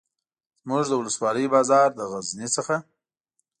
زموږ د ولسوالۍ بازار له غزني څخه.